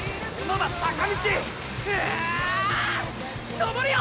登るよ！